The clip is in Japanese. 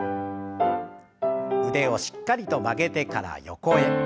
腕をしっかりと曲げてから横へ。